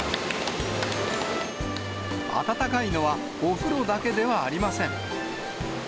暖かいのはお風呂だけではありません。